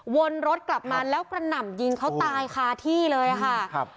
วนรถกลับมาแล้วกระหน่ำยิงเขาตายคาที่เลยค่ะครับ